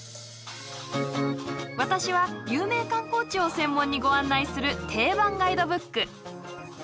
私は有名観光地を専門にご案内する定番ガイドブック。